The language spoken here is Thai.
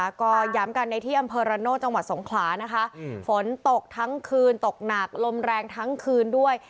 ก็ย้ำกันในที่อำเภอระโนธจังหวัดสงขลานะคะฝนตกทั้งคืนตกหนักลมแรงทั้งคืนด้วย